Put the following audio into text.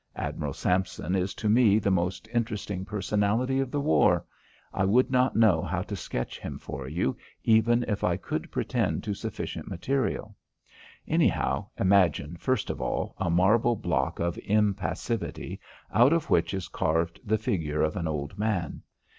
Admiral Sampson is to me the most interesting personality of the war. I would not know how to sketch him for you even if I could pretend to sufficient material. Anyhow, imagine, first of all, a marble block of impassivity out of which is carved the figure of an old man.